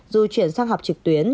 dù chuyển sang học trực tuyến